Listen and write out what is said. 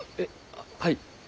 あっはい。